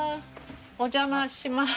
お邪魔します。